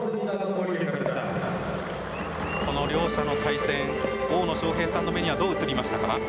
この両者の対戦大野将平さんの目にはどう映りましたか？